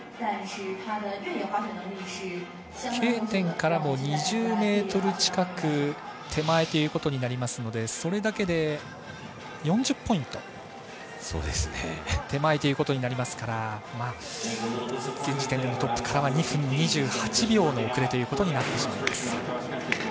Ｋ点からも２０ｍ近く手前ということになりますのでそれだけで、４０ポイント手前ということになりますから現時点でもトップから２分２８秒の遅れということになってしまいます。